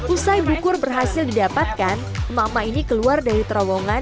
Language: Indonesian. usai bukur berhasil didapatkan mama ini keluar dari terowongan